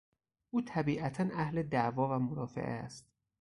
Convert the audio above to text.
او طبیعتا اهل دعوا و مرافعه است.